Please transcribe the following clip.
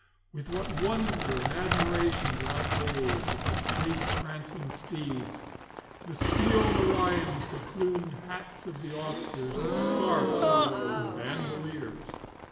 With what wonder and admiration did I gaze at the sleek prancing steeds, the steel morions, the plumed hats of the officers, the scarfs and bandoliers.